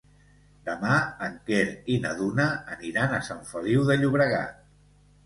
Demà en Quer i na Duna aniran a Sant Feliu de Llobregat.